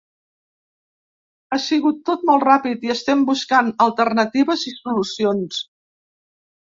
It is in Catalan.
Ha sigut tot molt ràpid i estem buscant alternatives i solucions.